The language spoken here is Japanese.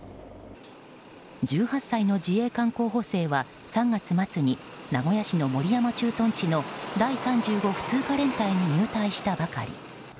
１８歳の自衛官候補生は３月末に名古屋市の守山駐屯地の第３５普通科連隊に入隊したばかり。